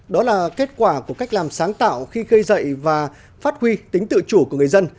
đó là kết quả của cách làm sáng tạo khi gây dậy và phát huy tính tự chủ của người dân